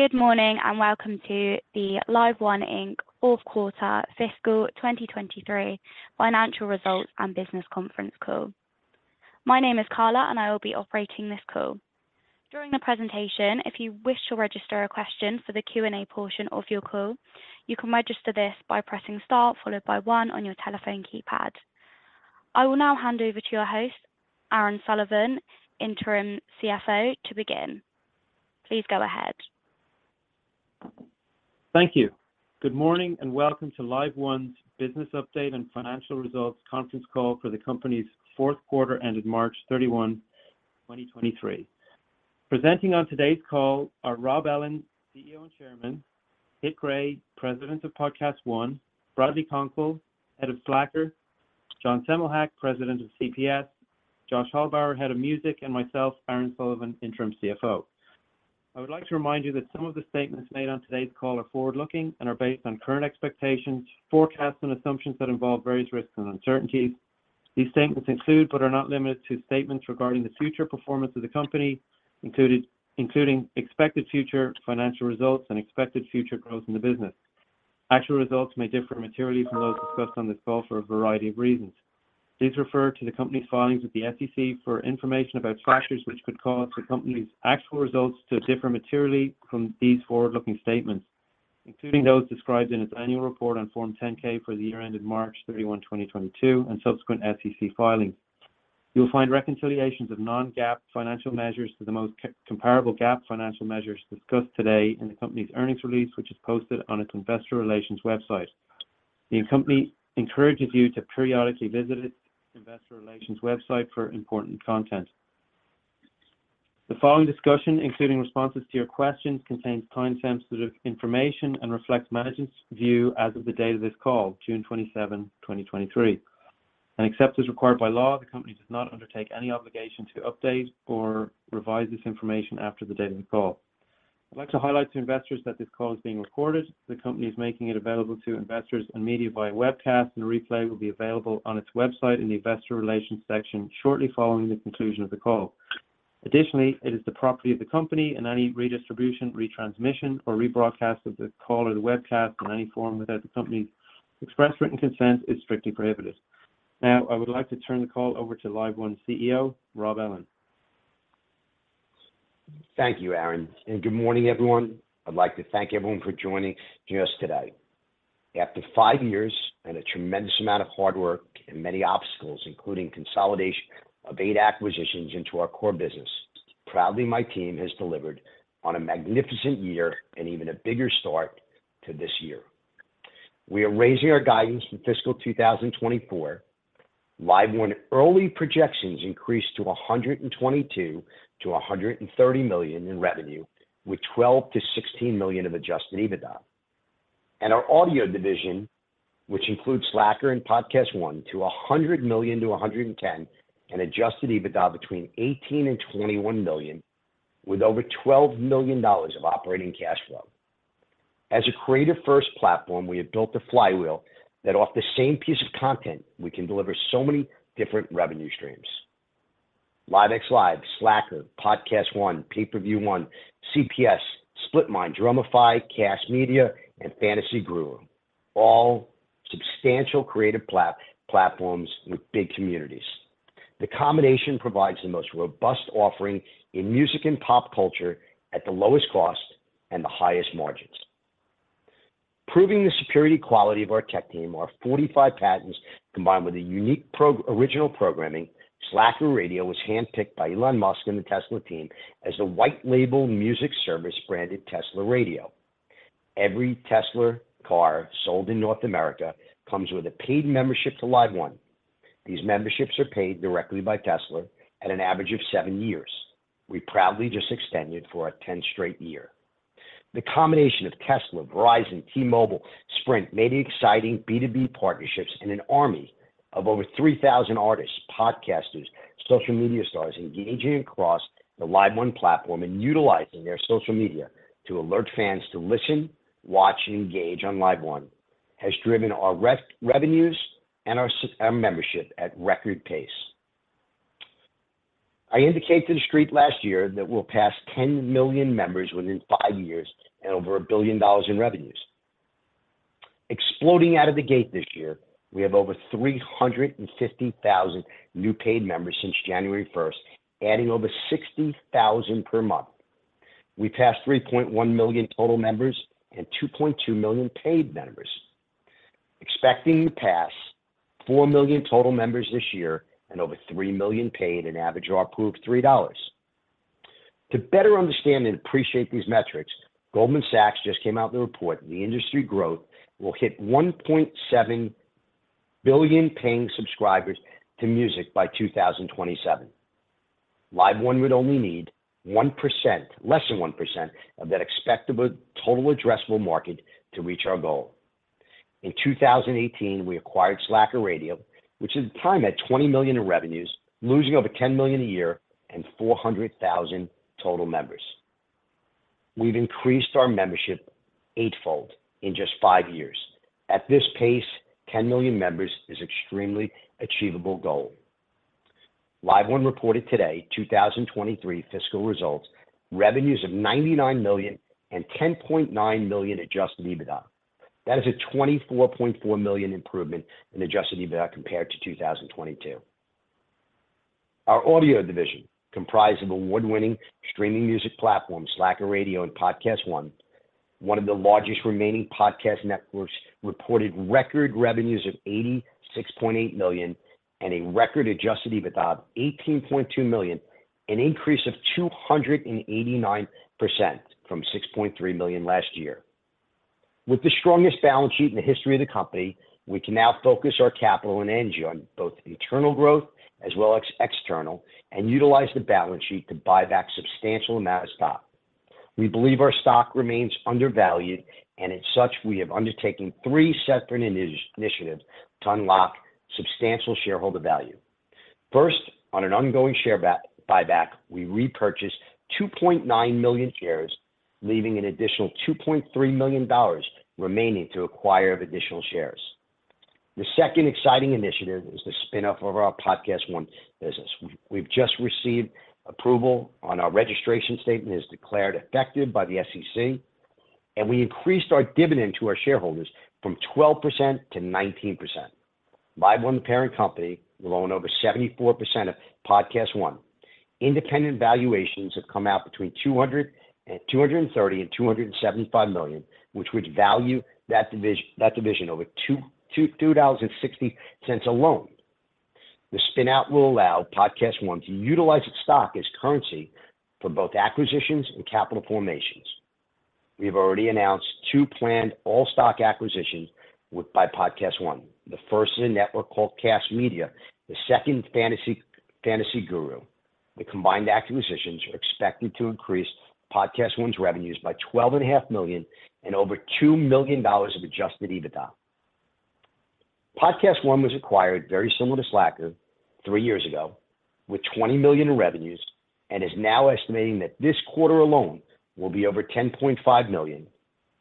Good morning, welcome to the LiveOne Inc. Fourth Quarter Fiscal 2023 Financial Results and Business Conference Call. My name is Carla, and I will be operating this call. During the presentation, if you wish to register a question for the Q&A portion of your call, you can register this by pressing star followed by one on your telephone keypad. I will now hand over to your host, Aaron Sullivan, Interim CFO, to begin. Please go ahead. Thank you. Good morning, and welcome to LiveOne's Business Update and Financial Results conference call for the company's fourth quarter ended March 31, 2023. Presenting on today's call are Rob Ellin, CEO and Chairman; Kit Gray, President of PodcastOne; Bradley Konkol, Head of Slacker; John Semmelhack, President of CPS; Josh Hallbauer, Head of Music; and myself, Aaron Sullivan, Interim CFO. I would like to remind you that some of the statements made on today's call are forward-looking and are based on current expectations, forecasts, and assumptions that involve various risks and uncertainties. These statements include, but are not limited to, statements regarding the future performance of the company, included, including expected future financial results and expected future growth in the business. Actual results may differ materially from those discussed on this call for a variety of reasons. Please refer to the company's filings with the SEC for information about factors which could cause the company's actual results to differ materially from these forward-looking statements, including those described in its annual report on Form 10-K for the year ended March 31, 2022, and subsequent SEC filings. You'll find reconciliations of non-GAAP financial measures to the most comparable GAAP financial measures discussed today in the company's earnings release, which is posted on its investor relations website. The company encourages you to periodically visit its investor relations website for important content. The following discussion, including responses to your questions, contains time-sensitive information and reflects management's view as of the date of this call, June 27, 2023, and except as required by law, the company does not undertake any obligation to update or revise this information after the date of the call. I'd like to highlight to investors that this call is being recorded. The company is making it available to investors and media via webcast, and a replay will be available on its website in the Investor Relations section shortly following the conclusion of the call. Additionally, it is the property of the company, and any redistribution, retransmission, or rebroadcast of the call or the webcast in any form without the company's express written consent is strictly prohibited. I would like to turn the call over to LiveOne CEO, Rob Ellin. Thank you, Aaron. Good morning, everyone. I'd like to thank everyone for joining us today. After five years and a tremendous amount of hard work and many obstacles, including consolidation of eight acquisitions into our core business, proudly, my team has delivered on a magnificent year and even a bigger start to this year. We are raising our guidance for fiscal 2024. LiveOne early projections increased to $122 million-$130 million in revenue, with $12 million-$16 million of Adjusted EBITDA. Our audio division, which includes Slacker and PodcastOne, to $100 million-$110 million, and Adjusted EBITDA between $18 million-$21 million, with over $12 million of operating cash flow. As a creative-first platform, we have built a flywheel that off the same piece of content, we can deliver so many different revenue streams. LiveXLive, Slacker, PodcastOne, Pay-Per-View One, CPS, SplitMind, Drumify, Kast Media, and Fantasy Guru, all substantial creative platforms with big communities. The combination provides the most robust offering in music and pop culture at the lowest cost and the highest margins. Proving the security quality of our tech team, our 45 patents, combined with a unique original programming, Slacker Radio was handpicked by Elon Musk and the Tesla team as the white label music service branded Tesla Radio. Every Tesla car sold in North America comes with a paid membership to LiveOne. These memberships are paid directly by Tesla at an average of seven years. We proudly just extended for a 10th straight year. The combination of Tesla, Verizon, T-Mobile, Sprint, many exciting B2B partnerships, and an army of over 3,000 artists, podcasters, social media stars engaging across the LiveOne platform and utilizing their social media to alert fans to listen, watch, and engage on LiveOne, has driven our revenues and our membership at record pace. I indicated to the street last year that we'll pass 10 million members within five years and over $1 billion in revenues. Exploding out of the gate this year, we have over 350,000 new paid members since January 1st, adding over 60,000 per month. We passed 3.1 million total members and 2.2 million paid members, expecting to pass 4 million total members this year and over 3 million paid an average of approved $3.To better understand and appreciate these metrics, Goldman Sachs just came out with a report, the industry growth will hit 1.7 billion paying subscribers to music by 2027. LiveOne would only need 1%, less than 1%, of that expected total addressable market to reach our goal. In 2018, we acquired Slacker Radio, which at the time had $20 million in revenues, losing over $10 million a year and 400,000 total members. We've increased our membership eightfold in just five years. At this pace, 10 million members is extremely achievable goal. LiveOne reported today 2023 fiscal results, revenues of $99 million and $10.9 million Adjusted EBITDA. That is a $24.4 million improvement in Adjusted EBITDA compared to 2022.Our audio division, comprised of award-winning streaming music platform, Slacker Radio and PodcastOne, one of the largest remaining podcast networks, reported record revenues of $86.8 million and a record Adjusted EBITDA of $18.2 million, an increase of 289% from $6.3 million last year. With the strongest balance sheet in the history of the company, we can now focus our capital and energy on both internal growth as well as external, and utilize the balance sheet to buy back substantial amount of stock. We believe our stock remains undervalued, and as such, we have undertaken three separate initiatives to unlock substantial shareholder value. First, on an ongoing buyback, we repurchased 2.9 million shares, leaving an additional $2.3 million remaining to acquire of additional shares. The second exciting initiative is the spin off of our PodcastOne business. We've just received approval on our registration statement, is declared effective by the SEC, we increased our dividend to our shareholders from 12%-19%. LiveOne parent company will own over 74% of PodcastOne. Independent valuations have come out between $200 million and $230 million and $275 million, which would value that division over $2.60 alone. The spin out will allow PodcastOne to utilize its stock as currency for both acquisitions and capital formations. We have already announced two planned all-stock acquisitions with by PodcastOne. The first is a network called Kast Media, the second Fantasy Guru.The combined acquisitions are expected to increase PodcastOne's revenues by $twelve and a half million and over $2 million of Adjusted EBITDA. PodcastOne was acquired very similar to Slacker three years ago, with $20 million in revenues, and is now estimating that this quarter alone will be over $10.5 million.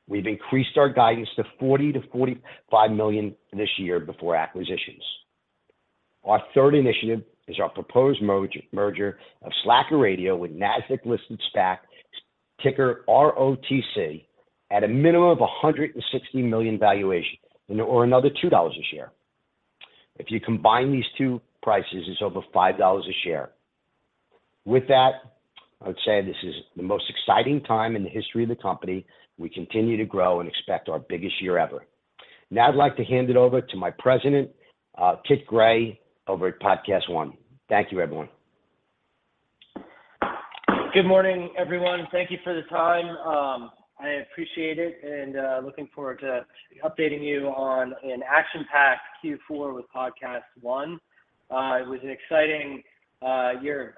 We've increased our guidance to $40 million-$45 million this year before acquisitions. Our third initiative is our proposed merger of Slacker Radio with Nasdaq-listed SPAC, ticker ROCV, at a minimum of a $160 million valuation and/or another $2 a share. If you combine these two prices, it's over $5 a share. With that, I would say this is the most exciting time in the history of the company. We continue to grow and expect our biggest year ever. Now, I'd like to hand it over to my president, Kit Gray, over at PodcastOne. Thank you, everyone. Good morning, everyone. Thank you for the time. I appreciate it, and looking forward to updating you on an action-packed Q4 with PodcastOne. It was an exciting year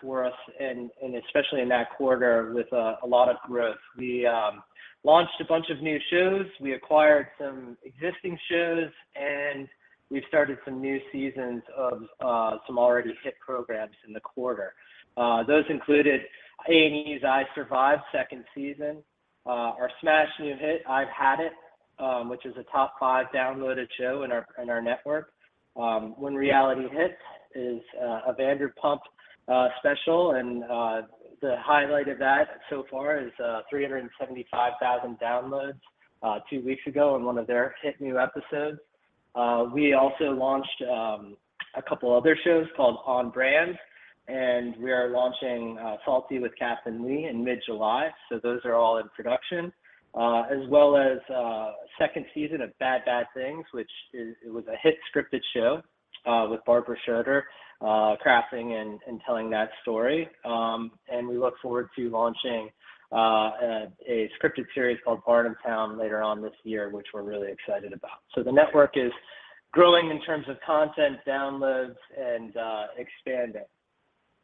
for us and especially in that quarter with a lot of growth. We launched a bunch of new shows. We acquired some existing shows, and we've started some new seasons of some already hit programs in the quarter. Those included A&E's I Survived, second season, our smash new hit, I've Had It, which is a top five downloaded show in our network. When Reality Hits is a Vanderpump special, and the highlight of that so far is 375,000 downloads two weeks ago on one of their hit new episodes. We also launched a couple other shows called On Brand, and we are launching Salty with Captain Lee in mid-July. Those are all in production, as well as second season of Bad Bad Thing, which is. It was a hit scripted show with Barbara Schroeder crafting and telling that story. We look forward to launching a scripted series called Bardstown later on this year, which we're really excited about. The network is growing in terms of content, downloads, and expanding.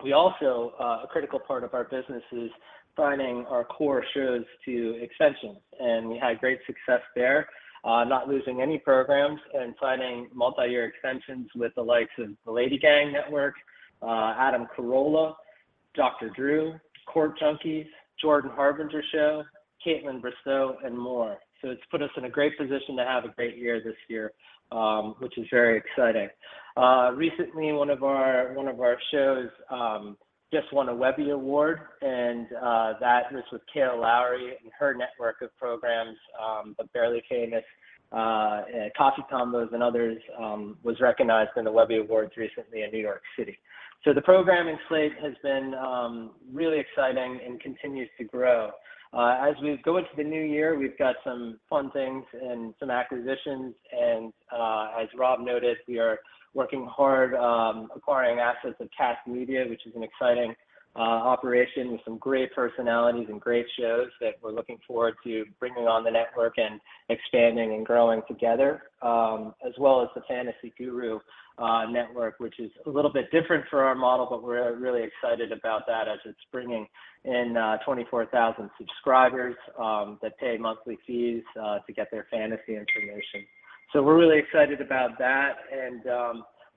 We also, a critical part of our business is finding our core shows to extensions, and we had great success there. Not losing any programs and signing multi-year extensions with the likes of the LadyGang Network, Adam Carolla, Dr. Drew, Court Junkie, The Jordan Harbinger Show, Kaitlyn Bristowe, and more. It's put us in a great position to have a great year this year, which is very exciting. Recently, one of our, one of our shows just won a Webby Award, that was with Kail Lowry and her network of programs, the Barely Famous, Coffee Convos and others, was recognized in the Webby Awards recently in New York City. The programming slate has been really exciting and continues to grow. As we go into the new year, we've got some fun things and some acquisitions, as Rob noted, we are working hard acquiring assets of Kast Media, which is an exciting operation with some great personalities and great shows that we're looking forward to bringing on the network and expanding and growing together. As well as the Fantasy Guru network, which is a little bit different for our model, but we're really excited about that as it's bringing in 24,000 subscribers that pay monthly fees to get their fantasy information. We're really excited about that.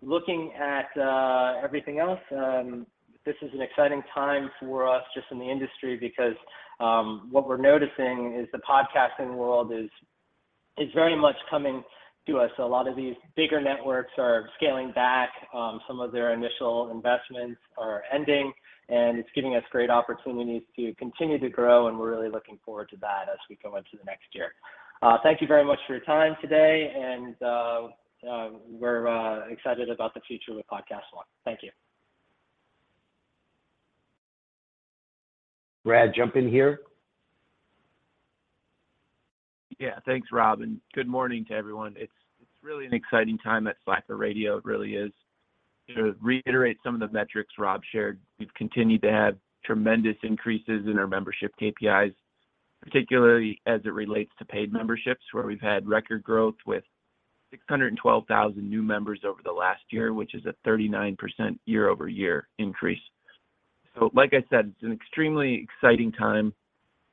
Looking at everything else, this is an exciting time for us just in the industry because what we're noticing is the podcasting world it's very much coming to us. A lot of these bigger networks are scaling back, some of their initial investments are ending, and it's giving us great opportunities to continue to grow, and we're really looking forward to that as we go into the next year. Thank you very much for your time today, and we're excited about the future with PodcastOne. Thank you. Brad, jump in here. Yeah. Thanks, Rob, and good morning to everyone. It's really an exciting time at Slacker Radio. It really is. To reiterate some of the metrics Rob shared, we've continued to have tremendous increases in our membership KPIs, particularly as it relates to paid memberships, where we've had record growth with 612,000 new members over the last year, which is a 39% year-over-year increase. Like I said, it's an extremely exciting time,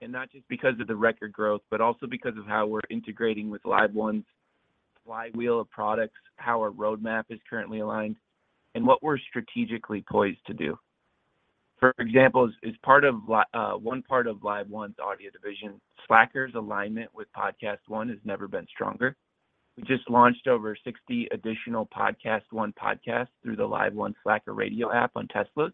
and not just because of the record growth, but also because of how we're integrating with LiveOne's flywheel of products, how our roadmap is currently aligned, and what we're strategically poised to do. For example, as part of one part of LiveOne Audio division, Slacker's alignment with PodcastOne has never been stronger. We just launched over 60 additional PodcastOne podcasts through the LiveOne Slacker Radio app on Tesla.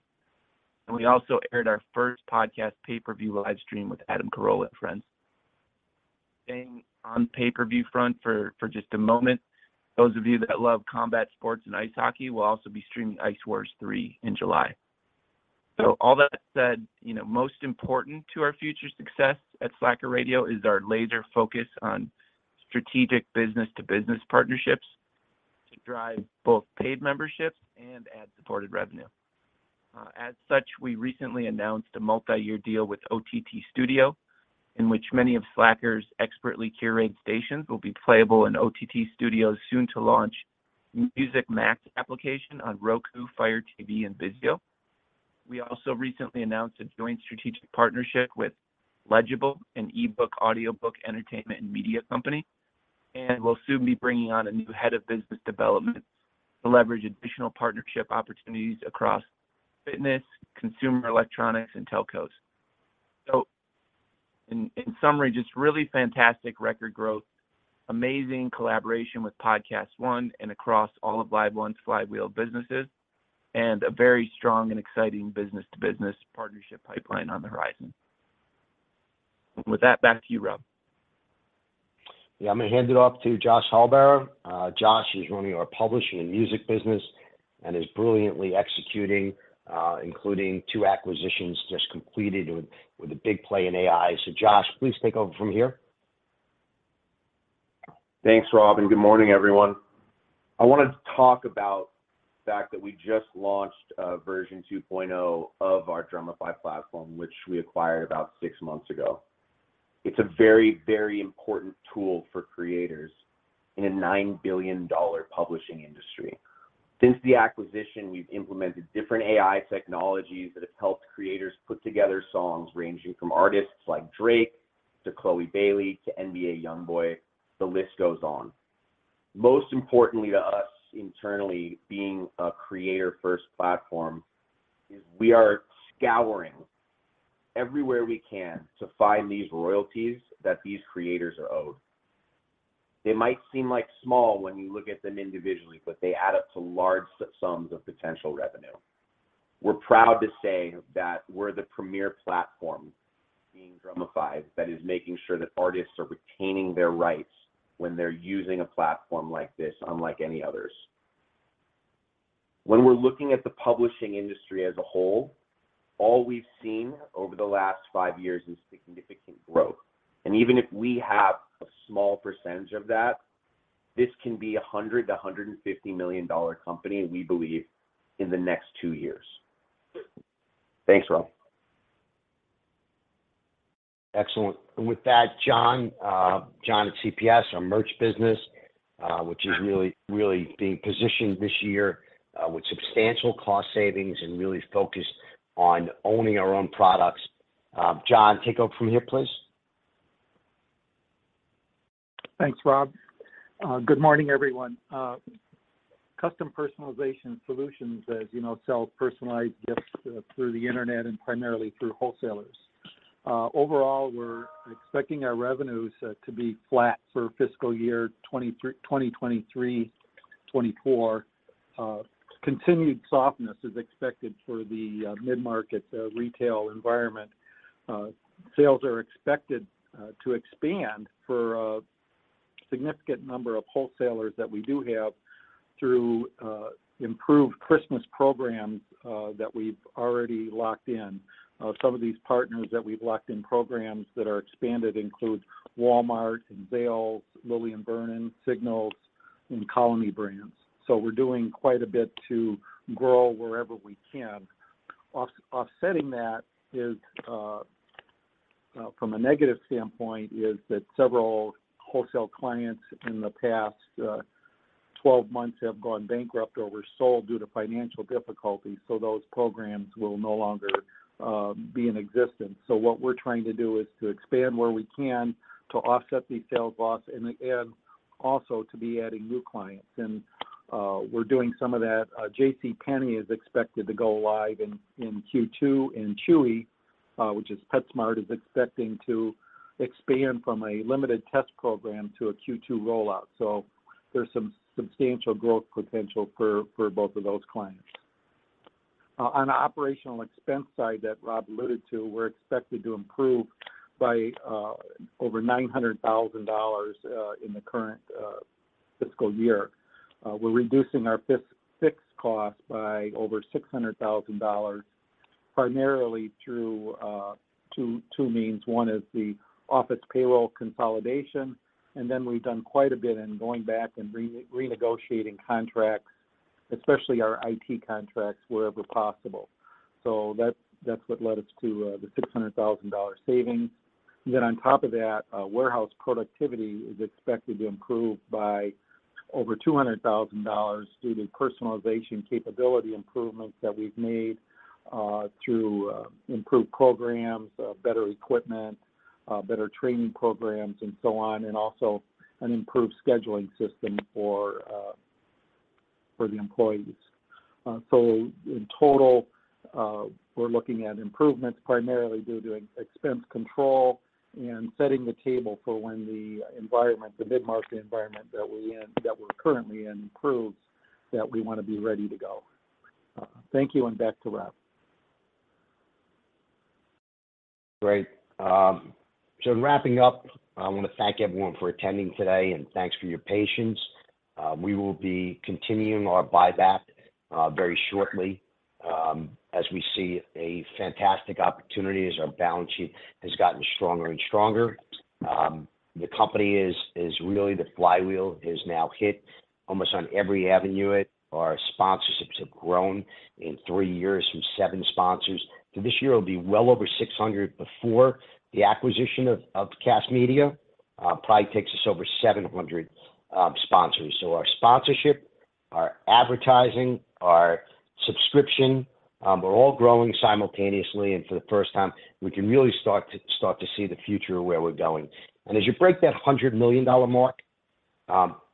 We also aired our first podcast, Pay-Per-View Livestream, with Adam Carolla and friends. Staying on pay-per-view front for just a moment, those of you that love combat sports and ice hockey will also be streaming Ice Wars 3 in July. All that said, you know, most important to our future success at Slacker Radio is our laser focus on strategic business-to-business partnerships to drive both paid memberships and ad-supported revenue. As such, we recently announced a multi-year deal with OTT Studio, in which many of Slacker's expertly curated stations will be playable in OTT Studio's soon-to-launch Music Max application on Roku, Fire TV, and VIZIO.We also recently announced a joint strategic partnership with Legible, an e-book, audiobook, entertainment, and media company, and we'll soon be bringing on a new head of business development to leverage additional partnership opportunities across fitness, consumer electronics, and telcos. In summary, just really fantastic record growth, amazing collaboration with PodcastOne and across all of LiveOne's flywheel businesses, and a very strong and exciting business-to-business partnership pipeline on the horizon. With that, back to you, Rob. Yeah. I'm going to hand it off to Josh Hallbauer. Josh is running our publishing and music business and is brilliantly executing, including two acquisitions just completed with a big play in AI. Josh, please take over from here. Thanks, Rob, and good morning, everyone. I wanted to talk about the fact that we just launched, version 2.0 of our Drumify platform, which we acquired about six months ago. It's a very, very important tool for creators in a $9 billion publishing industry. Since the acquisition, we've implemented different AI technologies that have helped creators put together songs ranging from artists like Drake to Chloe Bailey to NBA YoungBoy, the list goes on. Most importantly to us internally, being a creator-first platform, is we are scouring everywhere we can to find these royalties that these creators are owed. They might seem like small when you look at them individually, but they add up to large sums of potential revenue. We're proud to say that we're the premier platform in Drumify that is making sure that artists are retaining their rights when they're using a platform like this, unlike any others. When we're looking at the publishing industry as a whole, all we've seen over the last five years is significant growth. Even if we have a small percentage of that, this can be a $100 million-$150 million company, we believe, in the next two years. Thanks, Rob Ellin. Excellent. With that, John at CPS, our merch business, which is really, really being positioned this year, with substantial cost savings and really focused on owning our own products. John, take over from here, please. Thanks, Rob. Good morning, everyone. Custom Personalization Solutions, as you know, sells personalized gifts through the internet and primarily through wholesalers. Overall, we're expecting our revenues to be flat for fiscal year 2023, 2024. Continued softness is expected for the mid-market retail environment. Sales are expected to expand for a significant number of wholesalers that we do have through improved Christmas programs that we've already locked in. Some of these partners that we've locked in programs that are expanded include Walmart and Zales, Lillian Vernon, Signals, and Colony Brands. We're doing quite a bit to grow wherever we can. Offsetting that is, from a negative standpoint, is that several wholesale clients in the past 12 months have gone bankrupt or were sold due to financial difficulties. Those programs will no longer be in existence. What we're trying to do is to expand where we can to offset the sales loss, also to be adding new clients, and we're doing some of that. JCPenney is expected to go live in Q2, and Chewy, which is PetSmart, is expecting to expand from a limited test program to a Q2 rollout. There's some substantial growth potential for both of those clients. On the operational expense side that Rob alluded to, we're expected to improve by over $900,000 in the current fiscal year. We're reducing our fixed costs by over $600,000, primarily through two means. One is the office payroll consolidation, and then we've done quite a bit in going back and renegotiating contracts, especially our IT contracts, wherever possible. That's what led us to the $600,000 savings. On top of that, warehouse productivity is expected to improve by over $200,000 due to personalization capability improvements that we've made through improved programs, better equipment, better training programs, and so on, and also an improved scheduling system for the employees. In total, we're looking at improvements primarily due to expense control and setting the table for when the environment, the mid-market environment that we're currently in, improves, that we wanna be ready to go. Thank you, and back to Rob. Great. Wrapping up, I wanna thank everyone for attending today, and thanks for your patience. We will be continuing our buyback very shortly, as we see a fantastic opportunity as our balance sheet has gotten stronger and stronger. The company is really the flywheel has now hit almost on every avenue. Our sponsorships have grown in three years from seven sponsors, to this year, it'll be well over 600 before the acquisition of Kast Media, probably takes us over 700 sponsors. Our sponsorship, our advertising, our subscription, are all growing simultaneously, and for the first time, we can really start to see the future of where we're going. As you break that $100 million mark,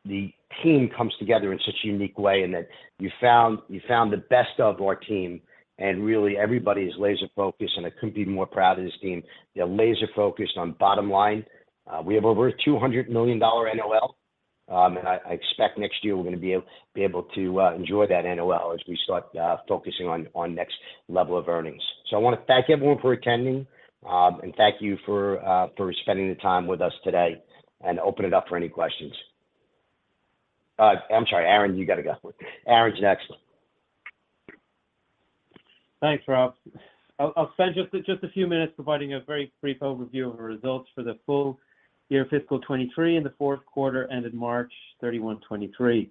the team comes together in such a unique way, and that you found the best of our team. Really, everybody is laser-focused. I couldn't be more proud of this team. They're laser-focused on bottom line. We have over $200 million NOL. I expect next year we're gonna be able to enjoy that NOL as we start focusing on next level of earnings. I wanna thank everyone for attending, and thank you for spending the time with us today. Open it up for any questions. I'm sorry, Aaron, you gotta go. Aaron's next. Thanks, Rob. I'll spend just a few minutes providing a very brief overview of the results for the full year fiscal 2023 and the fourth quarter, ended March 31, 2023.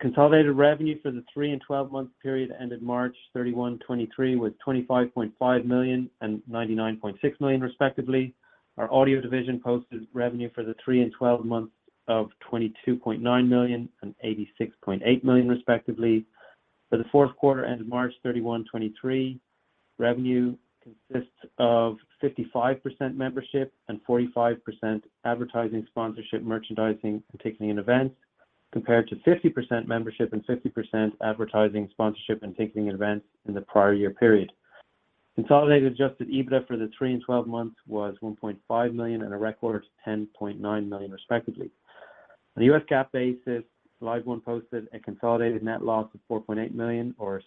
Consolidated revenue for the three and 12-month period, ended March 31, 2023, was $25.5 million and $99.6 million, respectively. Our audio division posted revenue for the three and 12 months of $22.9 million and $86.8 million, respectively. For the fourth quarter, ended March 31, 2023, revenue consists of 55% membership and 45% advertising, sponsorship, merchandising, and ticketing and events, compared to 50% membership and 50% advertising, sponsorship, and ticketing and events in the prior year period. Consolidated Adjusted EBITDA for the three and 12 months was $1.5 million and a record of $10.9 million, respectively. On a US GAAP basis, LiveOne posted a consolidated net loss of $4.8 million or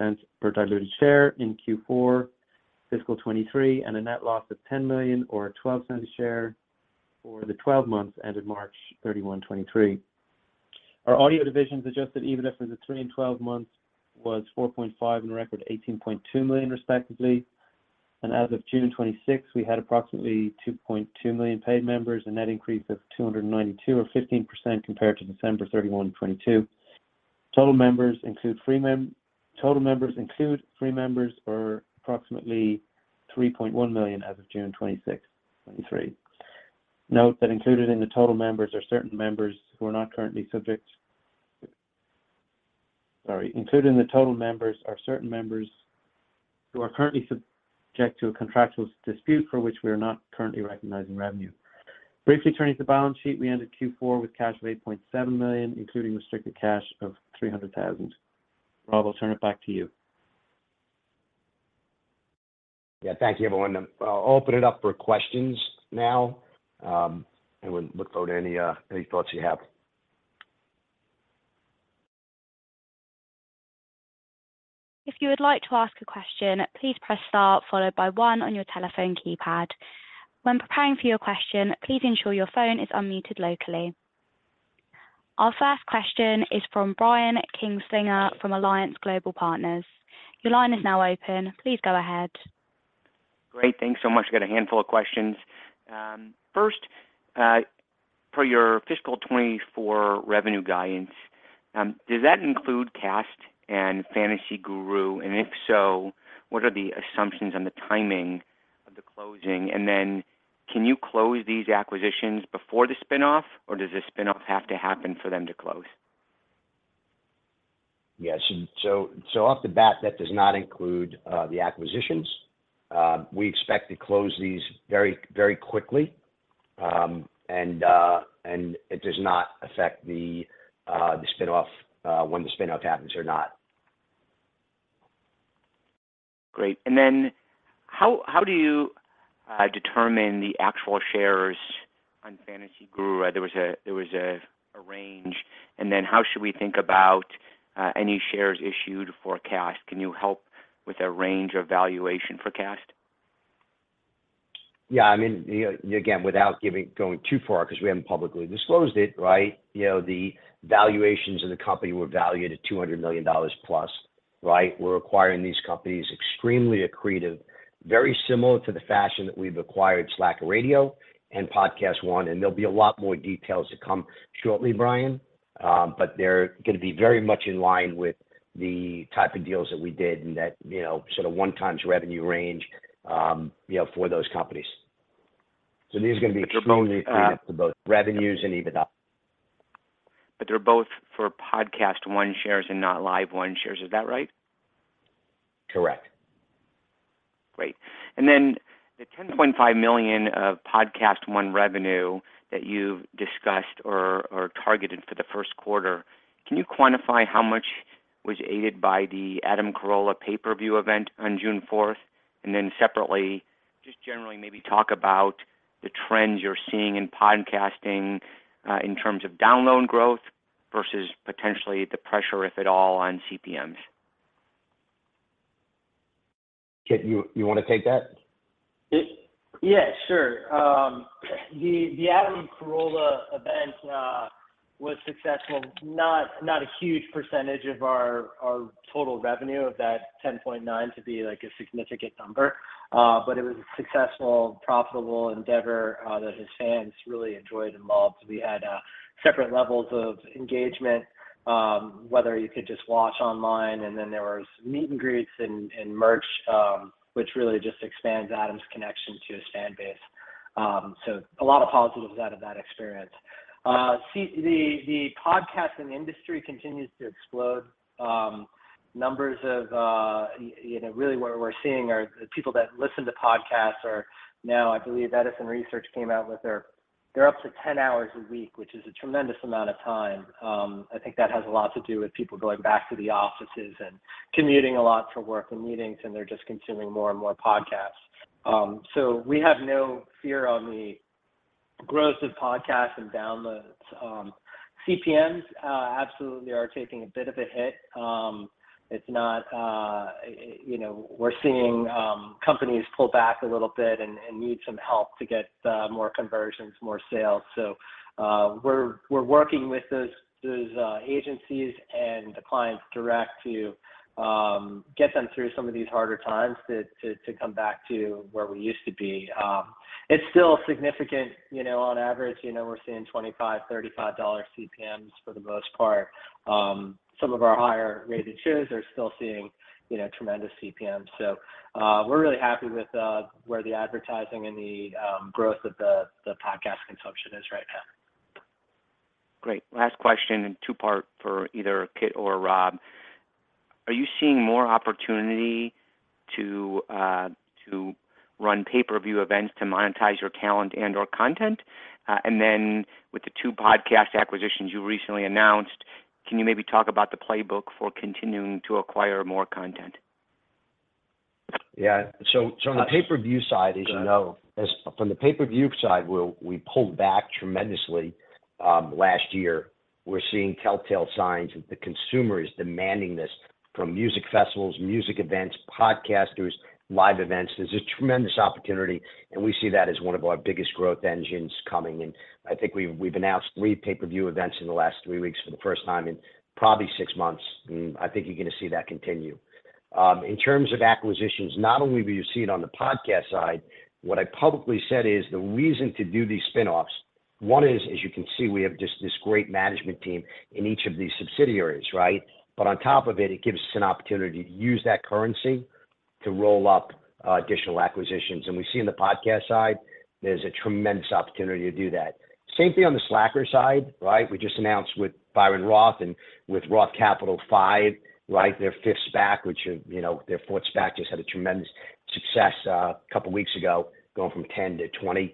$0.06 per diluted share in Q4 fiscal 2023, and a net loss of $10 million or $0.12 a share for the 12 months, ended March 31, 2023. Our audio division's Adjusted EBITDA for the three and 12 months was $4.5 million and a record $18.2 million, respectively. As of June 26, we had approximately 2.2 million paid members, a net increase of 292 or 15% compared to December 31, 2022. Total members include free members for approximately 3.1 million as of June 26, 2023. Note that included in the total members are certain members who are not currently subject...Sorry, included in the total members are certain members who are currently subject to a contractual dispute for which we are not currently recognizing revenue. Briefly turning to the balance sheet, we ended Q4 with cash of $8.7 million, including restricted cash of $300,000. Rob, I'll turn it back to you. Yeah. Thank you, everyone. I'll open it up for questions now, and we'd look forward to any thoughts you have. If you would like to ask a question, please press star followed by one on your telephone keypad. When preparing for your question, please ensure your phone is unmuted locally. Our first question is from Brian Kinstlinger from Alliance Global Partners. Your line is now open. Please go ahead. Great. Thanks so much. I've got a handful of questions. first, for your fiscal 2024 revenue guidance, does that include Kast Media and Fantasy Guru? If so, what are the assumptions on the timing of the closing? Then can you close these acquisitions before the spin-off, or does the spin-off have to happen for them to close? Yes, so off the bat, that does not include the acquisitions. We expect to close these very, very quickly, and it does not affect the spin-off when the spin-off happens or not. Great. how do you determine the actual shares on Fantasy Guru? There was a range. how should we think about any shares issued for Kast? Can you help with a range or valuation for Kast? Again, without going too far, because we haven't publicly disclosed it, right? The valuations in the company were valued at $200 million plus, right? We're acquiring these companies extremely accretive, very similar to the fashion that we've acquired Slacker Radio and PodcastOne. There'll be a lot more details to come shortly, Brian. They're going to be very much in line with the type of deals that we did and that sort of 1x revenue range for those companies. These are going to be extremely accretive to both revenues and EBITDA. They're both for PodcastOne shares and not LiveOne shares. Is that right? Correct. Great. The $10.5 million of PodcastOne revenue that you've discussed or targeted for the first quarter, can you quantify how much was aided by the Adam Carolla pay-per-view event on June fourth? Separately, just generally, maybe talk about the trends you're seeing in podcasting, in terms of download growth versus potentially the pressure, if at all, on CPMs. Kit, you want to take that? Yeah, sure. The Adam Carolla event was successful. Not a huge percentage of our total revenue of that $10.9 to be, like, a significant number, but it was a successful, profitable endeavor that his fans really enjoyed and loved. We had separate levels of engagement, whether you could just watch online, and then there was meet and greets and merch, which really just expands Adam Carolla's connection to his fan base. A lot of positives out of that experience. The podcasting industry continues to explode. Numbers of, you know, really what we're seeing are the people that listen to podcasts are now, I believe Edison Research came out with they're up to 10 hours a week, which is a tremendous amount of time.I think that has a lot to do with people going back to the offices and commuting a lot for work and meetings, and they're just consuming more and more podcasts. We have no fear on the growth of podcasts and downloads. CPMs absolutely are taking a bit of a hit. It's not, you know, we're seeing companies pull back a little bit and need some help to get more conversions, more sales. We're working with those agencies and the clients direct to get them through some of these harder times to come back to where we used to be. It's still significant. You know, on average, you know, we're seeing $25-$35 CPMs for the most part. Some of our higher-rated shows are still seeing, you know, tremendous CPMs. We're really happy with where the advertising and the growth of the podcast consumption is right now. Great. Last question, and two-part for either Kit or Rob: Are you seeing more opportunity to run pay-per-view events to monetize your talent and/or content? With the two podcast acquisitions you recently announced, can you maybe talk about the playbook for continuing to acquire more content? On the pay-per-view side, you know, from the pay-per-view side, we pulled back tremendously last year. We're seeing telltale signs that the consumer is demanding this from music festivals, music events, podcasters, live events. There's a tremendous opportunity, we see that as one of our biggest growth engines coming. I think we've announced three pay-per-view events in the last three weeks for the first time in probably six months, and I think you're going to see that continue. In terms of acquisitions, not only do you see it on the podcast side, what I publicly said is the reason to do these spin-offs, one is, as you can see, we have this great management team in each of these subsidiaries, right? On top of it gives us an opportunity to use that currency to roll up additional acquisitions. We see in the podcast side, there's a tremendous opportunity to do that. Same thing on the Slacker side, right? We just announced with Byron Roth and with Roth Capital V, right, their fifth SPAC, which, their fourth SPAC just had a tremendous success couple weeks ago, going from $10-$20.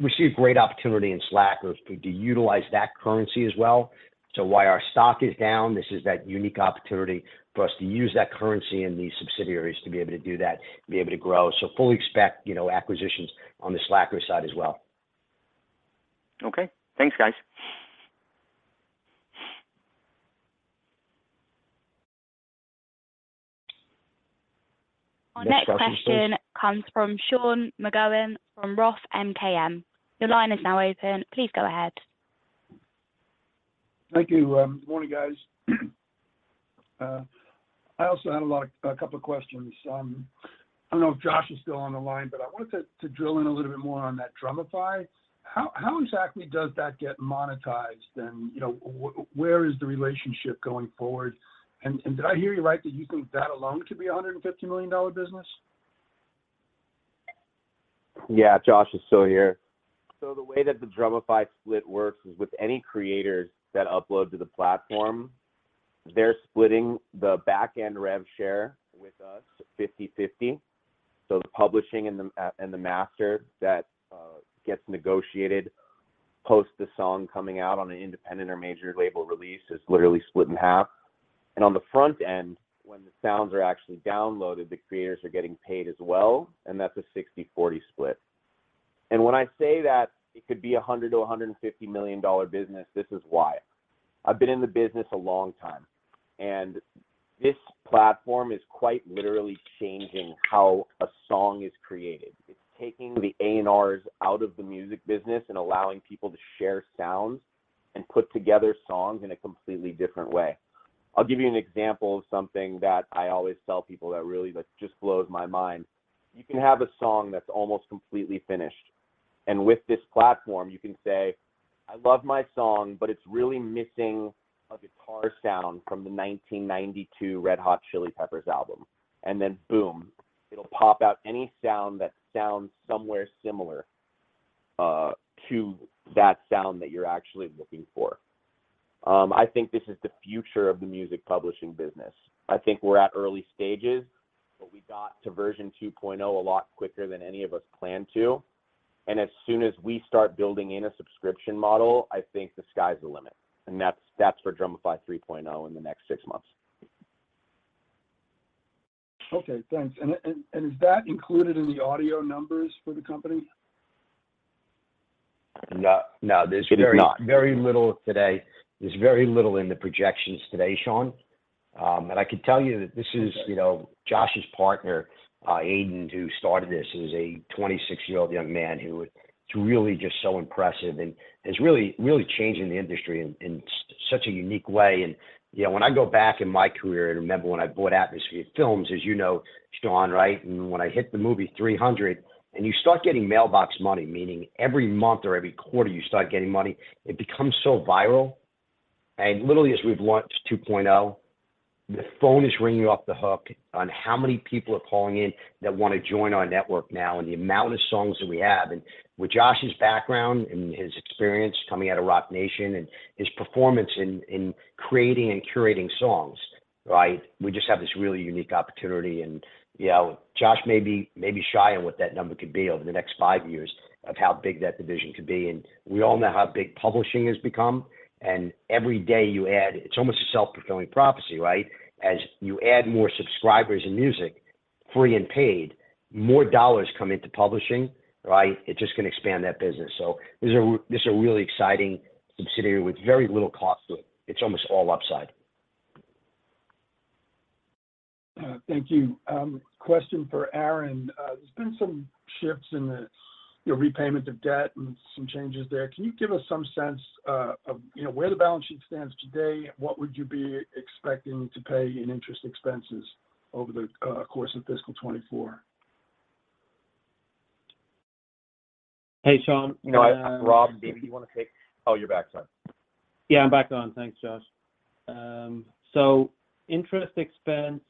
We see a great opportunity in Slacker to utilize that currency as well. While our stock is down, this is that unique opportunity for us to use that currency in these subsidiaries to be able to do that, to be able to grow. Fully expect acquisitions on the Slacker side as well. Okay. Thanks, guys. Our next question comes from Sean McGowan from Roth MKM. Your line is now open. Please go ahead. Thank you. Good morning, guys. I also had a couple of questions. I don't know if Josh is still on the line, but I wanted to drill in a little bit more on that Drumify. How exactly does that get monetized, and, you know, where is the relationship going forward? Did I hear you right, that you think that alone could be a $150 million business? Yeah, Josh is still here. The way that the Drumify split works is with any creators that upload to the platform, they're splitting the back-end rev share with us, 50/50. The publishing and the and the master that gets negotiated post the song coming out on an independent or major label release is literally split in half. On the front end, when the sounds are actually downloaded, the creators are getting paid as well, and that's a 60/40 split. When I say that it could be a $100 million-$150 million business, this is why. I've been in the business a long time, and this platform is quite literally changing how a song is created. It's taking the A&Rs out of the music business and allowing people to share sounds and put together songs in a completely different way. I'll give you an example of something that I always tell people that really, that just blows my mind. You can have a song that's almost completely finished, and with this platform, you can say, "I love my song, but it's really missing a guitar sound from the 1992 Red Hot Chili Peppers album." Boom, it'll pop out any sound that sounds somewhere similar to that sound that you're actually looking for. I think this is the future of the music publishing business. I think we're at early stages, but we got to version 2.0 a lot quicker than any of us planned to. As soon as we start building in a subscription model, I think the sky's the limit, and that's for Drumify 3.0 in the next six months. Okay, thanks. Is that included in the audio numbers for the company? No, no, there's. It is not Very little today. There's very little in the projections today, Sean. I can tell you that this is, you know, Josh's partner, Aiden, who started this, is a 26-year-old young man who is really just so impressive and is really, really changing the industry in such a unique way. When I go back in my career and remember when I bought Atmosphere Films, as you know, Sean, right? When I hit the movie 300, and you start getting mailbox money, meaning every month or every quarter you start getting money, it becomes so viral. Literally, as we've launched 2.0, the phone is ringing off the hook on how many people are calling in that want to join our network now, and the amount of songs that we have. With Josh's background and his experience coming out of Roc Nation and his performance in creating and curating songs, right? We just have this really unique opportunity. You know, Josh may be shy on what that number could be over the next five years, of how big that division could be. We all know how big publishing has become, and every day you add... It's almost a self-fulfilling prophecy, right? As you add more subscribers in music, free and paid, more dollars come into publishing, right? It's just going to expand that business. This is a really exciting subsidiary with very little cost to it. It's almost all upside. Thank you. Question for Aaron. There's been some shifts in the, you know, repayment of debt and some changes there. Can you give us some sense, of, you know, where the balance sheet stands today? What would you be expecting to pay in interest expenses over the course of fiscal 2024? Hey, Sean. No, Rob. Oh, you're back, sorry. Yeah, I'm back on. Thanks, Josh. Interest expense...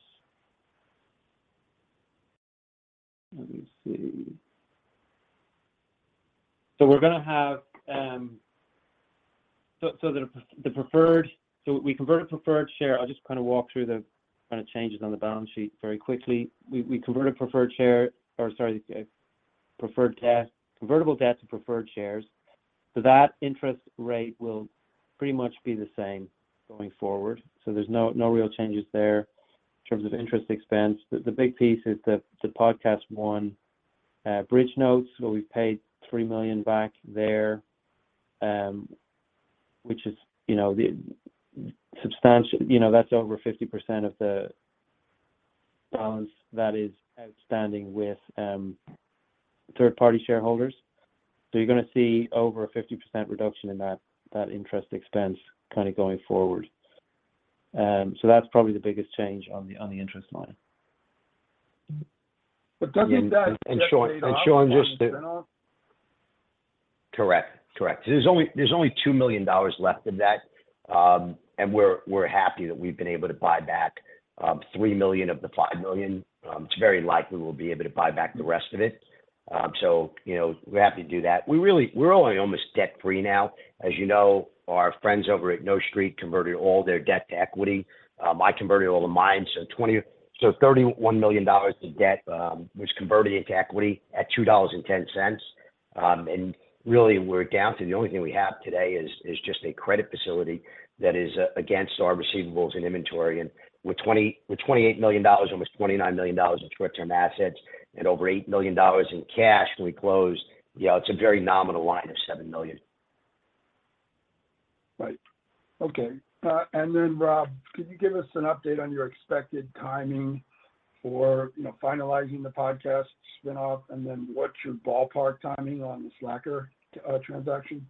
Let me see. We're gonna have... We converted preferred share. I'll just kind of walk through the kind of changes on the balance sheet very quickly. We converted preferred share, or sorry, preferred debt, convertible debt to preferred shares. That interest rate will pretty much be the same going forward. There's no real changes there in terms of interest expense. The big piece is the PodcastOne bridge notes, where we paid $3 million back there, which is, you know, the substantial... You know, that's over 50% of the balance that is outstanding with third-party shareholders. You're gonna see over a 50% reduction in that interest expense kind of going forward. That's probably the biggest change on the, on the interest line. Doesn't that? Sean, just. Spin off? Correct. There's only $2 million left of that, and we're happy that we've been able to buy back, $3 million of the $5 million. It's very likely we'll be able to buy back the rest of it. You know, we're happy to do that. We're only almost debt-free now. As you know, our friends over at North Street Capital converted all their debt to equity. I converted all of mine, so $31 million to debt, was converted into equity at $2.10. Really, we're down to the only thing we have today is just a credit facility that is against our receivables and inventory. With $28 million, almost $29 million in short-term assets and over $8 million in cash when we close, you know, it's a very nominal line of $7 million. Right. Okay. Rob, could you give us an update on your expected timing for, you know, finalizing the Podcast spin-off, and then what's your ballpark timing on the Slacker transaction?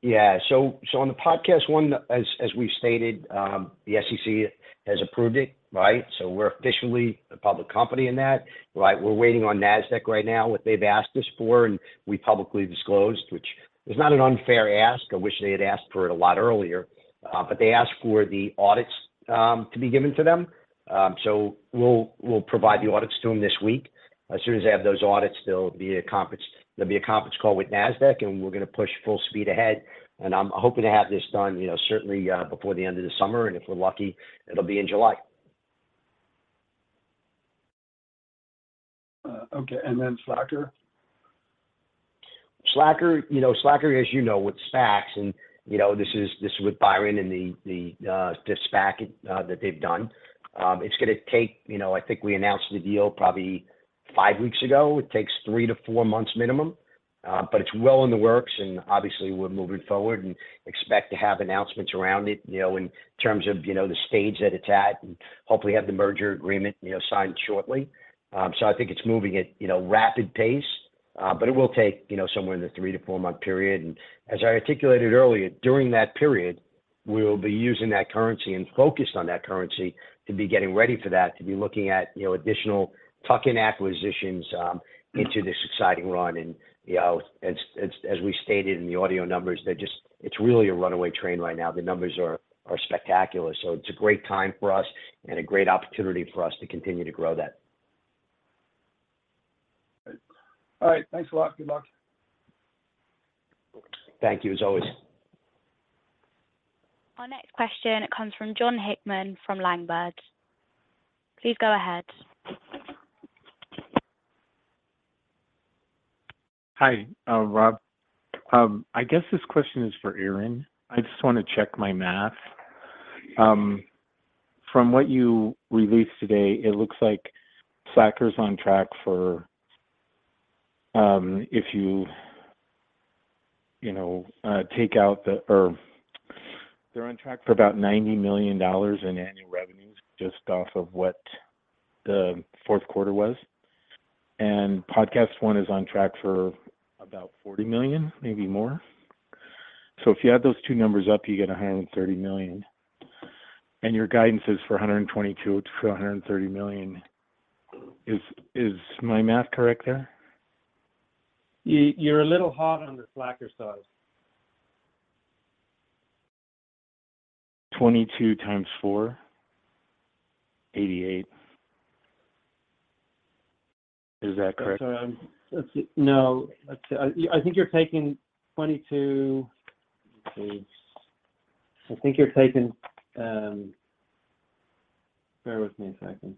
Yeah. On the PodcastOne, as we've stated, the SEC has approved it, right? We're officially a public company in that, right? We're waiting on Nasdaq right now, what they've asked us for, and we publicly disclosed, which is not an unfair ask. I wish they had asked for it a lot earlier. They asked for the audits to be given to them. We'll provide the audits to them this week. As soon as they have those audits, there'll be a conference call with Nasdaq, and we're gonna push full speed ahead, and I'm hoping to have this done, you know, certainly before the end of the summer, and if we're lucky, it'll be in July. Okay, then Slacker? Slacker, you know, Slacker, as you know, with SPACs, and, you know, this is with Byron and the, this SPAC that they've done. It's gonna take... You know, I think we announced the deal probably five weeks ago. It takes 3-4 months minimum, but it's well in the works, and obviously, we're moving forward and expect to have announcements around it, you know, in terms of, you know, the stage that it's at, and hopefully have the merger agreement, you know, signed shortly. I think it's moving at, you know, rapid pace, but it will take, you know, somewhere in the 3-4 month period. As I articulated earlier, during that period, we'll be using that currency and focused on that currency to be getting ready for that, to be looking at, you know, additional tuck-in acquisitions, into this exciting run. You know, as we stated in the audio numbers, it's really a runaway train right now. The numbers are spectacular, so it's a great time for us and a great opportunity for us to continue to grow that. Great. All right, thanks a lot. Good luck. Thank you, as always. Our next question comes from Jon Hickman from Ladenburg Thalmann. Please go ahead. Hi, Rob. I guess this question is for Aaron. I just wanna check my math. From what you released today, it looks like Slacker's on track for, if you know, they're on track for about $90 million in annual revenues, just off of what the fourth quarter was, and PodcastOne is on track for about $40 million, maybe more. If you add those two numbers up, you get $130 million, and your guidance is for $122 million-$130 million. Is my math correct there? You're a little hot on the Slacker side. 22x 4, 88. Is that correct? Sorry, let's see. No. Let's see. I think you're taking. Bear with me a second.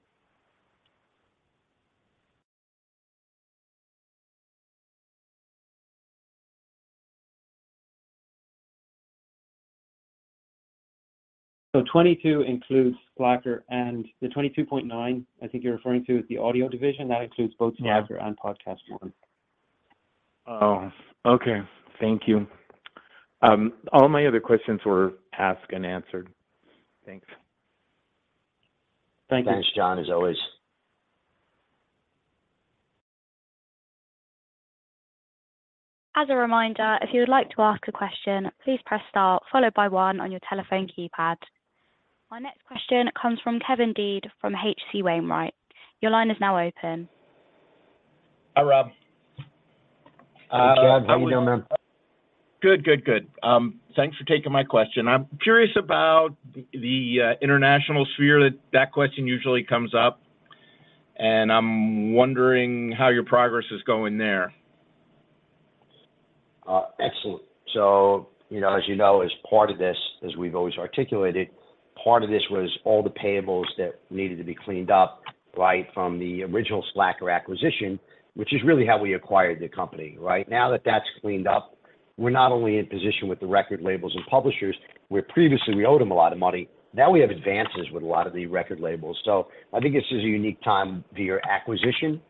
22 includes Slacker, and the 22.9, I think you're referring to, is the audio division. That includes both Slacker- Yeah PodcastOne. Oh, okay. Thank you. All my other questions were asked and answered. Thanks. Thank you. Thanks, Jon, as always. As a reminder, if you would like to ask a question, please press star followed by one on your telephone keypad. Our next question comes from Kevin Dede from H.C. Wainwright. Your line is now open. Hi, Rob. Hey, Kev. How you doing, man? Good, good. Thanks for taking my question. I'm curious about the international sphere, that question usually comes up, and I'm wondering how your progress is going there. Excellent. You know, as you know, as part of this, as we've always articulated, part of this was all the payables that needed to be cleaned up, right, from the original Slacker acquisition, which is really how we acquired the company, right? Now that that's cleaned up, we're not only in position with the record labels and publishers, where previously we owed them a lot of money, now we have advances with a lot of the record labels. I think this is a unique time via acquisition,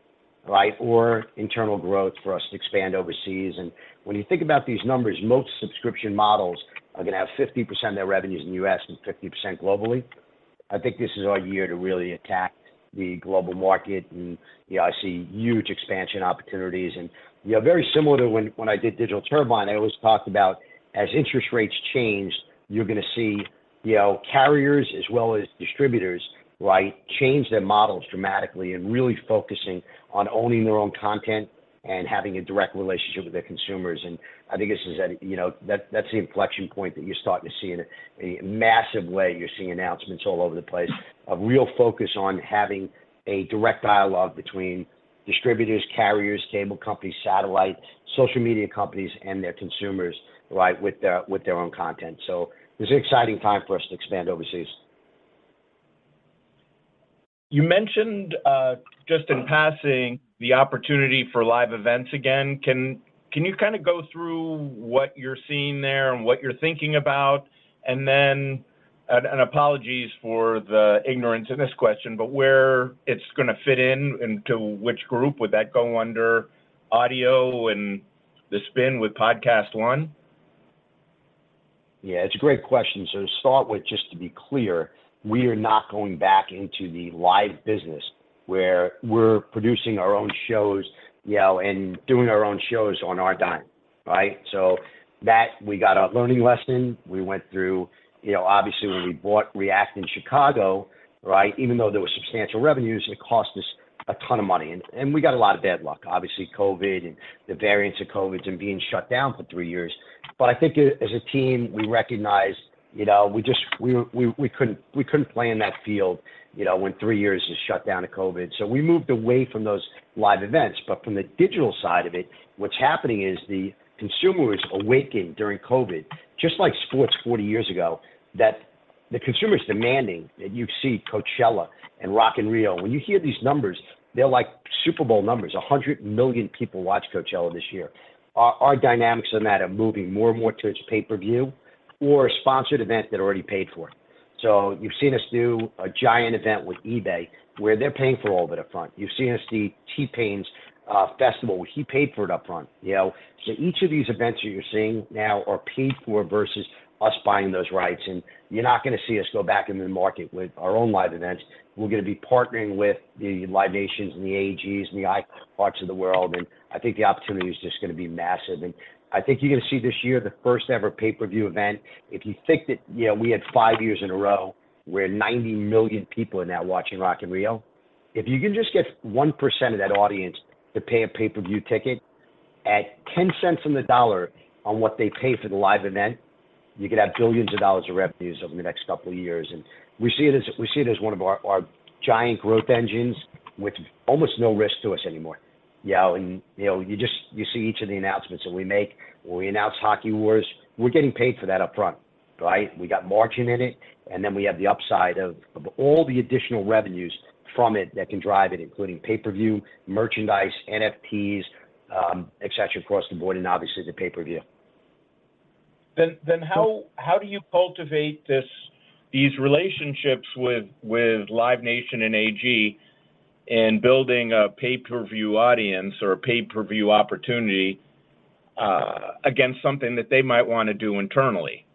right, or internal growth for us to expand overseas. When you think about these numbers, most subscription models are gonna have 50% of their revenues in the U.S. and 50% globally. I think this is our year to really attack the global market, and, you know, I see huge expansion opportunities. You know, very similar to when I did Digital Turbine, I always talked about, as interest rates change, you're gonna see, you know, carriers as well as distributors, right, change their models dramatically and really focusing on owning their own content and having a direct relationship with their consumers. I think this is, you know, that's the inflection point that you're starting to see in a massive way. You're seeing announcements all over the place. A real focus on having a direct dialogue between distributors, carriers, cable companies, satellite, social media companies, and their consumers, right, with their own content. This is an exciting time for us to expand overseas. You mentioned, just in passing, the opportunity for live events again. Can you kinda go through what you're seeing there and what you're thinking about? Apologies for the ignorance in this question, but where it's gonna fit in, into which group would that go under, audio and the spin with PodcastOne? Yeah, it's a great question. To start with, just to be clear, we are not going back into the live business, where we're producing our own shows, you know, and doing our own shows on our dime. Right? That we got a learning lesson. We went through, you know, obviously, when we bought React in Chicago, right? Even though there were substantial revenues, it cost us a ton of money, and we got a lot of bad luck. Obviously, COVID and the variants of COVID and being shut down for three years. I think as a team, we recognized, you know, we couldn't play in that field, you know, when three years is shut down to COVID. We moved away from those live events. From the digital side of it, what's happening is the consumer was awakened during COVID, just like sports 40 years ago, that the consumer is demanding, that you see Coachella and Rock in Rio. When you hear these numbers, they're like Super Bowl numbers. 100 million people watched Coachella this year. Our dynamics on that are moving more and more towards pay-per-view or a sponsored event that already paid for. You've seen us do a giant event with eBay, where they're paying for all of it upfront. You've seen us do T-Pain's festival. He paid for it upfront, you know. Each of these events that you're seeing now are paid for versus us buying those rights, and you're not gonna see us go back in the market with our own live events. We're gonna be partnering with the Live Nation and the AEG and iHeart of the world. I think the opportunity is just gonna be massive. I think you're gonna see this year, the first ever pay-per-view event. If you think that, you know, we had five years in a row, where 90 million people are now watching Rock in Rio. If you can just get 1% of that audience to pay a pay-per-view ticket at $0.10 on the dollar on what they pay for the live event, you could have billions of dollars of revenues over the next couple of years. We see it as one of our giant growth engines with almost no risk to us anymore. You know, you see each of the announcements that we make, when we announce Ice Wars, we're getting paid for that upfront, right? We got margin in it, we have the upside of all the additional revenues from it that can drive it, including pay-per-view, merchandise, NFTs, et cetera, across the board, and obviously, the pay-per-view. How do you cultivate these relationships with Live Nation and AEG in building a pay-per-view audience or a pay-per-view opportunity against something that they might wanna do internally?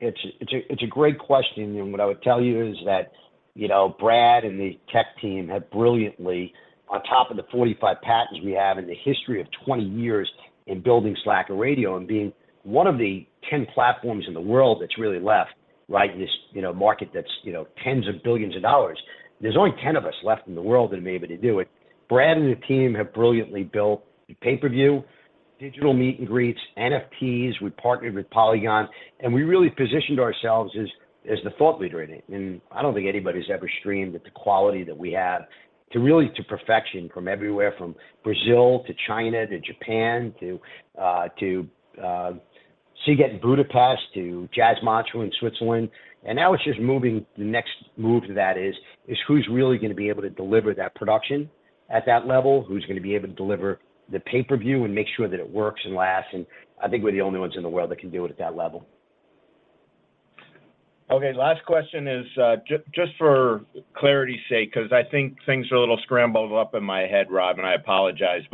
It's a great question, and what I would tell you is that, you know, Brad and the tech team have brilliantly, on top of the 45 patents we have in the history of 20 years in building Slacker Radio and being one of the 10 platforms in the world that's really left, right, in this, you know, market that's, you know, tens of billions of dollars. There's only 10 of us left in the world that are able to do it. Brad and the team have brilliantly built pay-per-view, digital meet and greets, NFTs. We partnered with Polygon, and we really positioned ourselves as the thought leader in it. I don't think anybody's ever streamed at the quality that we have, to really to perfection from everywhere, from Brazil to China, to Japan, to Sziget in Budapest, to Montreux Jazz Festival in Switzerland. Now it's just moving. The next move to that is who's really gonna be able to deliver that production at that level, who's gonna be able to deliver the pay-per-view and make sure that it works and lasts, and I think we're the only ones in the world that can do it at that level. Okay, last question is just for clarity's sake, 'cause I think things are a little scrambled up in my head, Rob, and I apologize.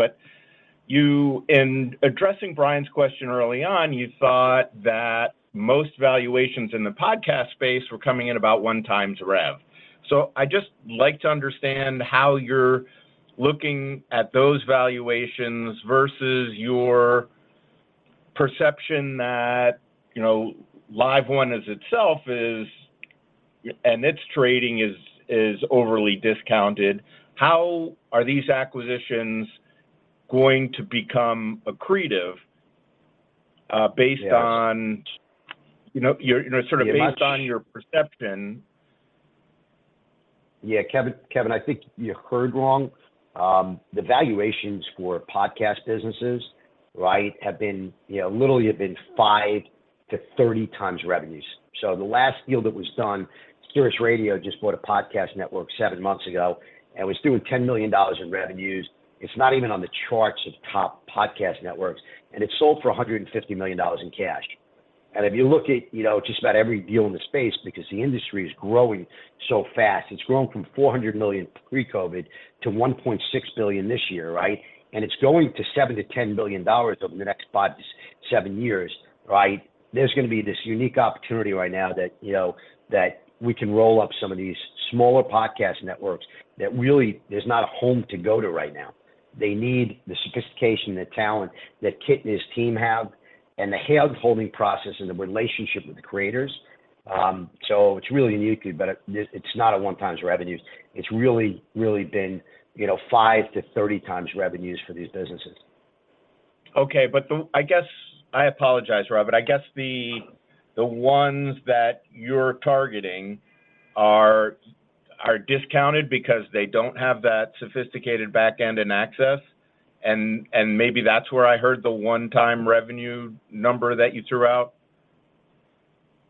You, in addressing Brian's question early on, you thought that most valuations in the podcast space were coming in about 1x rev. I'd just like to understand how you're looking at those valuations versus your perception that, you know, LiveOne as itself is, and its trading is overly discounted. How are these acquisitions going to become accretive, based on- Yes. You know, your, you know, sort of based... Yeah. your perception? Yeah, Kevin, I think you heard wrong. The valuations for podcast businesses, right, have been, you know, literally have been 5x-30x revenues. The last deal that was done, SiriusXM just bought a podcast network seven months ago, and it was doing $10 million in revenues. It's not even on the charts of top podcast networks, and it sold for $150 million in cash. If you look at, you know, just about every deal in the space, because the industry is growing so fast, it's grown from $400 million pre-COVID to $1.6 billion this year, right? It's going to $7 billion-$10 billion over the next 5-7 years, right? There's going to be this unique opportunity right now that, you know, that we can roll up some of these smaller podcast networks that really, there's not a home to go to right now. They need the sophistication, the talent that Kit and his team have, and the hand-holding process and the relationship with the creators. It's really unique, but it's not a 1x revenues. It's really been, you know, 5x-30x revenues for these businesses. I guess, I apologize, Rob, but I guess the ones that you're targeting are discounted because they don't have that sophisticated back end and access, and maybe that's where I heard the one-time revenue number that you threw out?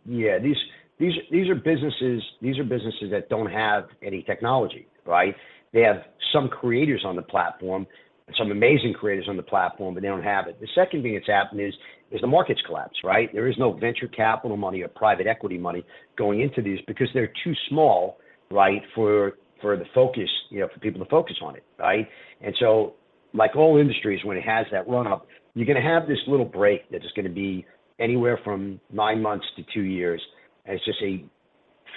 Yeah, these are businesses that don't have any technology, right? They have some creators on the platform, and some amazing creators on the platform, but they don't have it. The second thing that's happened is the market's collapsed, right? There is no venture capital money or private equity money going into these because they're too small, right, for the focus, you know, for people to focus on it, right? Like all industries, when it has that run-up, you're gonna have this little break that is gonna be anywhere from nine months to two years, and it's just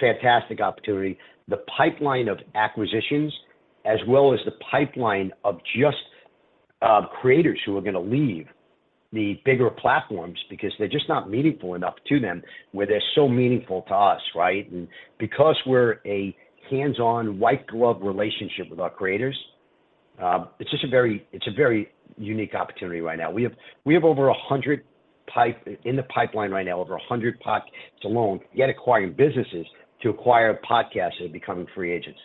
fantastic opportunity. The pipeline of acquisitions, as well as the pipeline of just creators who are going to leave the bigger platforms because they're just not meaningful enough to them, where they're so meaningful to us, right? Because we're a hands-on, white glove relationship with our creators, it's just a very unique opportunity right now. We have over 100 in the pipeline right now, over 100 podcasts alone, yet acquiring businesses to acquire podcasts that are becoming free agents.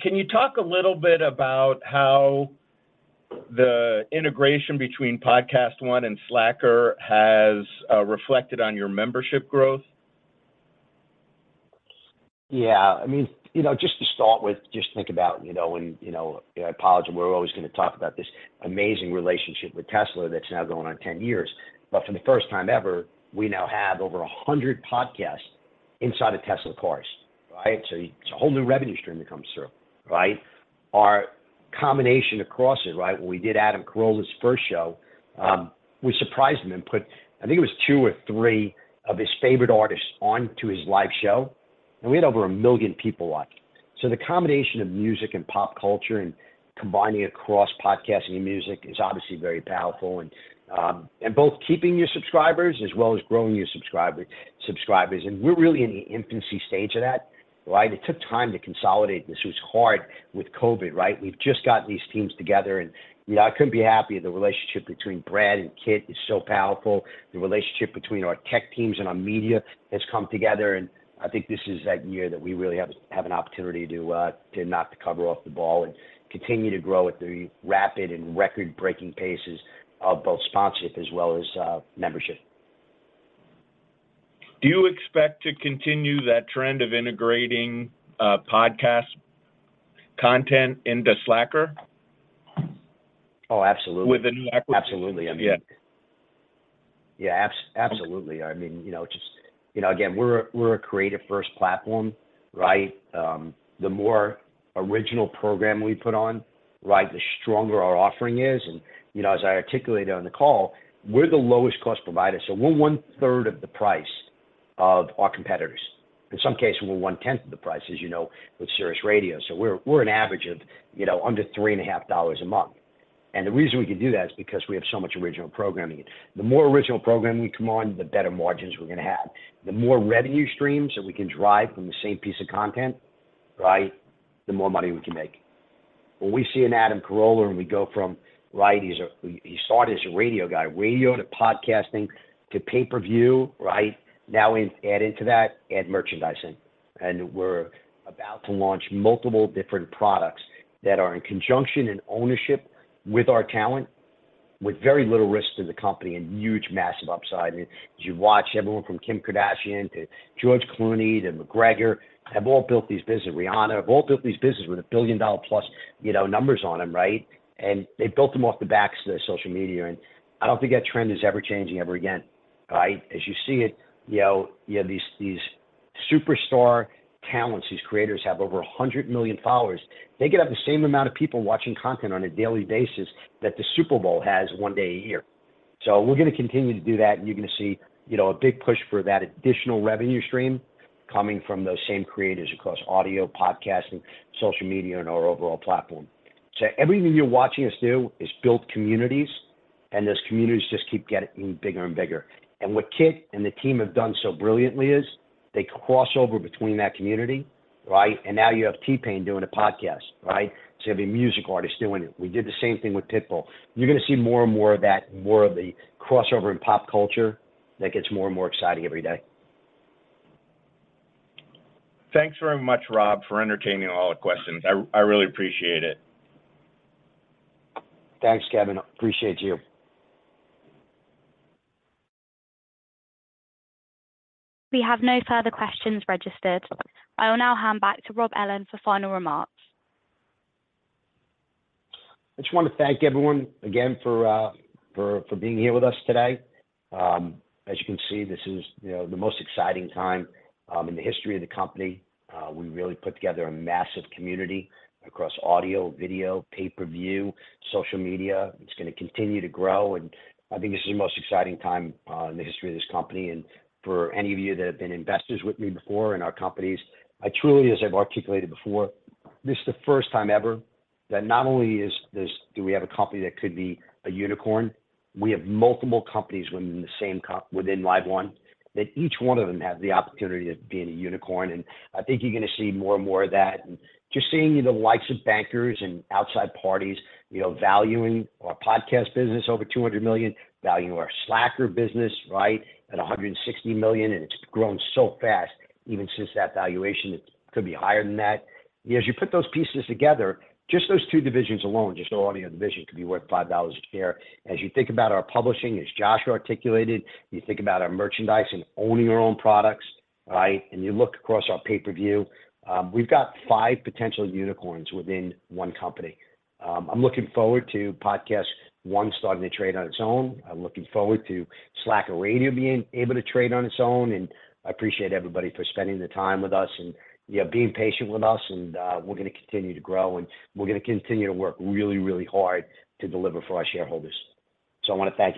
Can you talk a little bit about how the integration between PodcastOne and Slacker has reflected on your membership growth? Yeah. I mean, you know, just to start with, just think about, you know, when, you know, I apologize, we're always going to talk about this amazing relationship with Tesla that's now going on 10 years. For the first time ever, we now have over 100 podcasts inside of Tesla cars, right? It's a whole new revenue stream that comes through, right? Our combination across it, right, when we did Adam Carolla's first show, we surprised him and put, I think it was two or three of his favorite artists on to his live show, and we had over 1 million people watch. The combination of music and pop culture and combining across podcasting and music is obviously very powerful and both keeping your subscribers as well as growing your subscribers. And we're really in the infancy stage of that, right? It took time to consolidate. This was hard with COVID, right? We've just gotten these teams together, you know, I couldn't be happier. The relationship between Brad and Kit is so powerful. The relationship between our tech teams and our media has come together, I think this is that year that we really have an opportunity to knock the cover off the ball and continue to grow at the rapid and record-breaking paces of both sponsorship as well as membership. Do you expect to continue that trend of integrating, podcast content into Slacker? Oh, absolutely. With a new acquisition... Absolutely. Yeah. Yeah, absolutely. I mean, you know, just, you know, again, we're a creative first platform, right? The more original programming we put on, right, the stronger our offering is. You know, as I articulated on the call, we're the lowest cost provider, so we're 1/3 of the price of our competitors. In some cases, we're one-tenth of the price, as you know, with SiriusXM. We're an average of, you know, under $3.50 a month. The reason we can do that is because we have so much original programming. The more original programming we come on, the better margins we're going to have. The more revenue streams that we can drive from the same piece of content, right, the more money we can make. When we see an Adam Carolla and we go from, right, he started as a radio guy, radio to podcasting to pay-per-view, right? Now, we add into that, add merchandising. We're about to launch multiple different products that are in conjunction and ownership with our talent, with very little risk to the company and huge, massive upside. As you watch everyone from Kim Kardashian to George Clooney to McGregor, have all built these business, Rihanna, have all built these businesses with a billion-dollar plus, you know, numbers on them, right? They built them off the backs of their social media. I don't think that trend is ever changing ever again, right? As you see it, you know, you have these superstar talents, these creators have over 100 million followers. They get up the same amount of people watching content on a daily basis that the Super Bowl has one day a year. We're going to continue to do that, and you're going to see, you know, a big push for that additional revenue stream coming from those same creators across audio, podcasting, social media, and our overall platform. Everything you're watching us do is build communities, and those communities just keep getting bigger and bigger. What Kit and the team have done so brilliantly is they cross over between that community, right? Now you have T-Pain doing a podcast, right? It's going to be music artists doing it. We did the same thing with Pitbull. You're going to see more and more of that, more of the crossover in pop culture that gets more and more exciting every day. Thanks very much, Rob, for entertaining all the questions. I really appreciate it. Thanks, Kevin. I appreciate you. We have no further questions registered. I will now hand back to Robert Ellin for final remarks. I just want to thank everyone again for being here with us today. As you can see, this is, you know, the most exciting time in the history of the company. We really put together a massive community across audio, video, pay-per-view, social media. It's going to continue to grow. I think this is the most exciting time in the history of this company. For any of you that have been investors with me before in our companies, I truly, as I've articulated before, this is the first time ever that not only do we have a company that could be a unicorn, we have multiple companies within the same within LiveOne, that each one of them have the opportunity of being a unicorn. I think you're going to see more and more of that, and just seeing the likes of bankers and outside parties, you know, valuing our podcast business over $200 million, valuing our Slacker business, right, at $160 million, and it's grown so fast, even since that valuation, it could be higher than that. As you put those pieces together, just those two divisions alone, just our audio division, could be worth $5 a share. As you think about our publishing, as Joshua articulated, you think about our merchandise and owning our own products, right? You look across our pay-per-view, we've got five potential unicorns within one company. I'm looking forward to PodcastOne starting to trade on its own. I'm looking forward to Slacker Radio being able to trade on its own, and I appreciate everybody for spending the time with us and, yeah, being patient with us, and we're going to continue to grow, and we're going to continue to work really, really hard to deliver for our shareholders. I want to thank you.